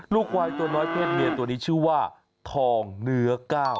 ลูกควายตัวน้อยเพศเมียตัวนี้ชื่อว่าทองเหนือ๙